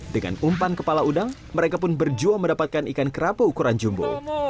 dengan umpan kepala udang mereka pun berjuang mendapatkan ikan kerapu ukuran jumbo